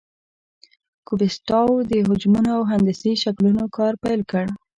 کوبیسټاو د حجمونو او هندسي شکلونو کار پیل کړ.